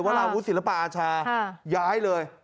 ราวุศิลปะอาชาย้ายเลย